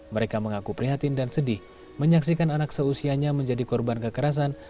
mereka mengaku prihatin dan sedih menyaksikan anak seusianya menjadi korban kekerasan